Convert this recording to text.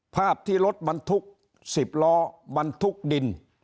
ภาพที่รถมันทุกข์๑๐ล้อมันทุกข์ดิน